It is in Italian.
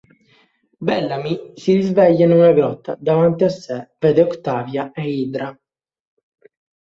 Bellamy si sveglia in una grotta, davanti a sé vede Octavia e Indra.